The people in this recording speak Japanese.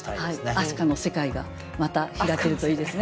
明日香の世界がまた開けるといいですね。